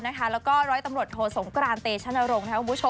แล้วก็ร้อยตำรวจโทสงกรานเตชนรงค์